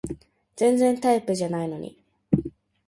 全然タイプじゃないのに